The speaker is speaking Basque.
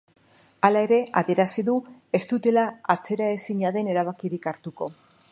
Hala ere adierazi du ez dutela atzeraezina den erabakirik hartu.